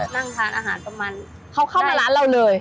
นั่งทานอาหารประมาณเขาเข้ามาร้านเราเลย